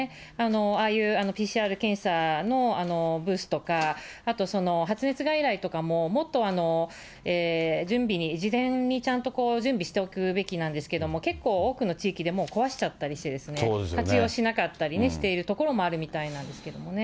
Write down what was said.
ああいうＰＣＲ検査のブースとか、あと発熱外来とかも、もっと準備に、事前にちゃんと準備しておくべきなんですけれども、結構多くの地域でもう壊しちゃったりしてですね、活用しなかったりしている所もあるみたいなんですけどもね。